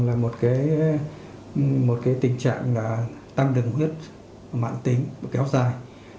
đai tháo đường là một tình trạng tăng đường huyết mạng tính kéo dài